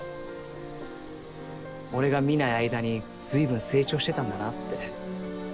俺が見ない間にずいぶん成長してたんだなって。